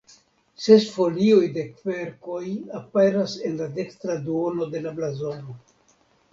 Ses folioj de kverkoj aperas en la dekstra duono de la blazono.